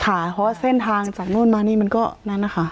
ทหารเพราะว่าเส้นทางจากโน่นมานี่มันก็นั่นอ่ะค่ะ